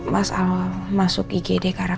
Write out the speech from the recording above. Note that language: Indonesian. mas al masuk igd karena